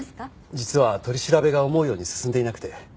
実は取り調べが思うように進んでいなくて。